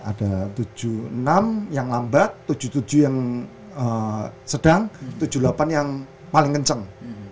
ada tujuh puluh enam yang lambat tujuh puluh tujuh yang sedang tujuh puluh delapan yang paling kencang